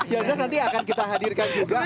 yang jelas nanti akan kita hadirkan juga